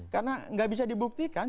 karena gak bisa dibuktikan